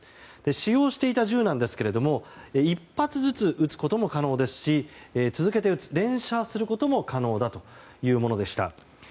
使用していた銃なんですが１発ずつ撃つことも可能ですし続けて撃つ、連射することも可能だというものでした。